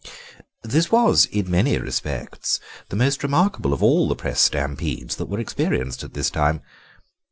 This was, in many respects, the most remarkable of all the Press stampedes that were experienced at this time.